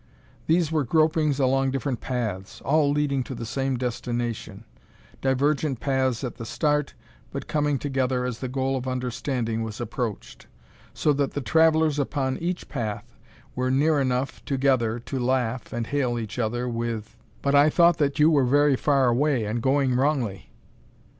These were gropings along different paths, all leading to the same destination; divergent paths at the start, but coming together as the goal of Understanding was approached; so that the travelers upon each path were near enough together to laugh and hail each other with: "But I thought that you were very far away and going wrongly!"